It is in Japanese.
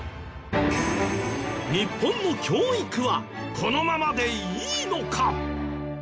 日本の教育はこのままでいいのか？